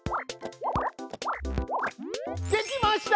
できました！